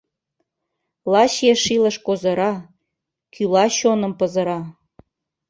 Лач еш илыш козыра, Кӱла чоным пызыра.